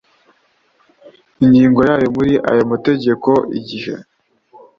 ingingo ya yo muri ay amategeko igihe